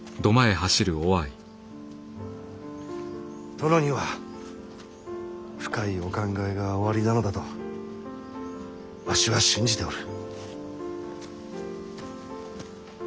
殿には深いお考えがおありなのだとわしは信じておる。